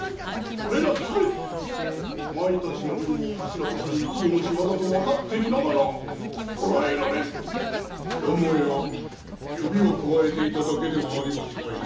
それらすべて“カマイタチの竜”を頭とする一味の仕業とわかっていながら捕らえられぬとはよもや指をくわえていただけではありますまいな越前殿？